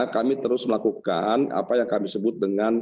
kami terus melakukan tiga t